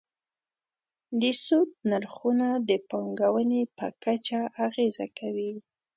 د سود نرخونه د پانګونې په کچه اغېزه کوي.